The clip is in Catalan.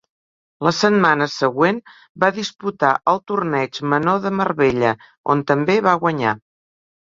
La setmana següent va disputar el torneig menor de Marbella on també va guanyar.